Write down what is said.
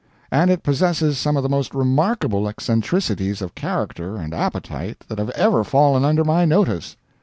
And it possesses some of the most remarkable eccentricities of character and appetite that have ever fallen under my notice.